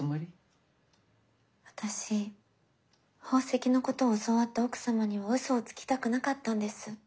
私宝石のことを教わった奥様には嘘をつきたくなかったんです。